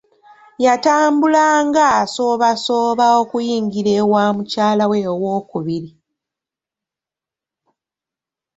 Yatambulanga asoobasooba okuyingira e wa mukyalawe owokubiri.